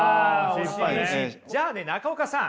じゃあね中岡さん。